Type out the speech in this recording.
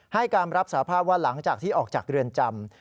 ให้การรับสาภาพว่าหลังจากที่ออกจากเรือนจำ